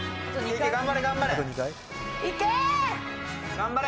頑張れ、頑張れ！